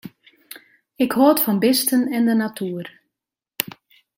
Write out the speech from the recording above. Ik hâld fan bisten en de natuer.